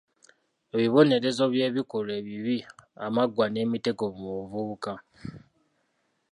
Ebibonerezo by’ebikolwa ebibi Amaggwa n’Emitego mu Buvubuka?